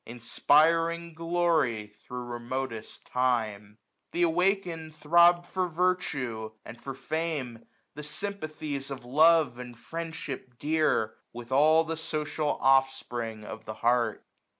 Inspiring glory thro' remotest time ; Th' awakened throb for virtue, and for fena^ ; 1025 The sympathies of love, and friendship dear; With all the social Offspring of the heart.